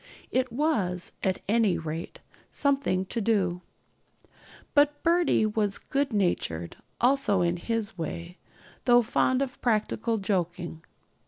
It was, at any rate, something to do. But 'Birdie' was good natured also in his way, though fond of practical joking.